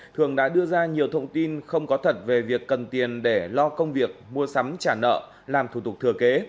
thường đã đưa ra nhiều thông tin không có thật về việc cần tiền để lo công việc mua sắm trả nợ làm thủ tục thừa kế